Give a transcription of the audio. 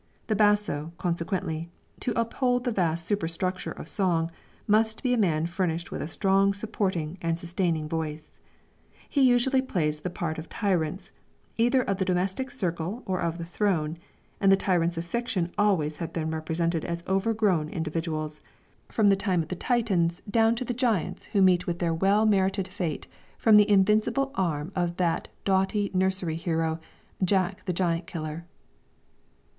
The basso, consequently, to uphold the vast superstructure of song, must be a man furnished with a strong supporting and sustaining voice. He usually plays the part of tyrants, either of the domestic circle or of the throne; and the tyrants of fiction always have been represented as over grown individuals, from the time of the Titans down to the giants who met with their well merited fate from the invincible arm of that doughty nursery hero Jack the Giant Killer.